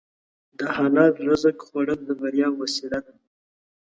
د حلال رزق خوړل د بریا وسیله ده.